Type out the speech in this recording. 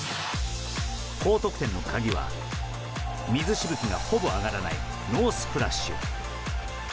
高得点の鍵は水しぶきがほぼ上がらないノースプラッシュ。